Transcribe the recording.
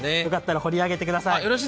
堀り上げてください。